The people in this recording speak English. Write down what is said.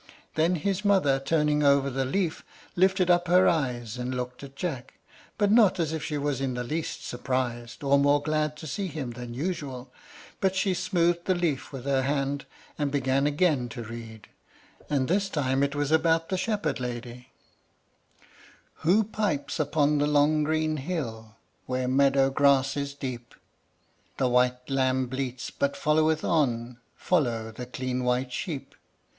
Then his mother, turning over the leaf, lifted up her eyes and looked at Jack, but not as if she was in the least surprised, or more glad to see him than usual; but she smoothed the leaf with her hand, and began again to read, and this time it was about the Shepherd Lady: I. Who pipes upon the long green hill, Where meadow grass is deep? The white lamb bleats but followeth on Follow the clean white sheep.